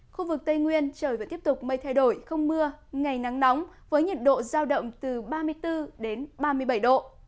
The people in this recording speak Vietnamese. khu vực tây nguyên trời vẫn tiếp tục mây thay đổi không mưa ngày nắng nóng với nhiệt độ giao động từ ba mươi bốn đến ba mươi bảy độ